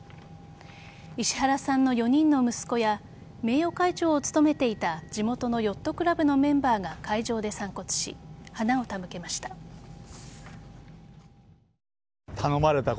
石原さんの４人の息子や名誉会長を務めていた地元のヨットクラブのメンバーが海上で散骨し花を手向けました。